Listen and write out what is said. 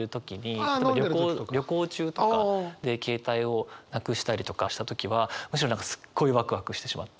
旅行中とかで携帯をなくしたりとかした時はむしろ何かすっごいワクワクしてしまって。